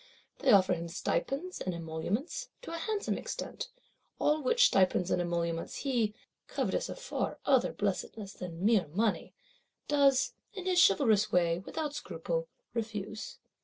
They offer him stipends and emoluments, to a handsome extent; all which stipends and emoluments he, covetous of far other blessedness than mere money, does, in his chivalrous way, without scruple, refuse.